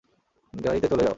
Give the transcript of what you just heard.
গাড়িতে চলে যাও।